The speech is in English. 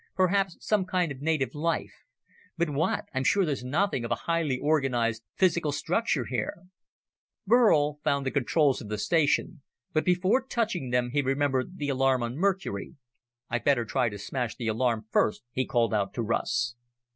Perhaps some kind of native life. But what? I'm sure there's nothing of a highly organized physical structure here." Burl found the controls of the station, but before touching them, he remembered the alarm on Mercury. "I'd better try to smash the alarm first," he called out to Russ.